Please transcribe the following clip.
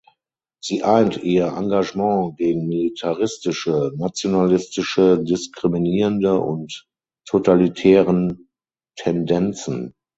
Sie eint ihr Engagement gegen militaristische, nationalistische, diskriminierende und totalitären Tendenzen.